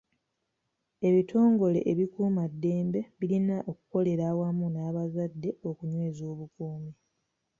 Ebitongole ebikuumaddembe birina okukolera awamu n'abazadde okunyweza obukuumi.